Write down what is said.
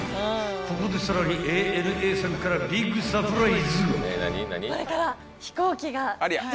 ［ここでさらにＡＮＡさんからビッグサプライズが］